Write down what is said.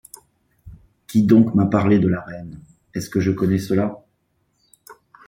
Qui donc m’a parlé de la reine? est-ce que je connais cela ?